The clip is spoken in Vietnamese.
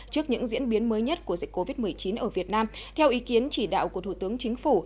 trước những diễn biến mới nhất của dịch covid một mươi chín ở việt nam theo ý kiến chỉ đạo của thủ tướng chính phủ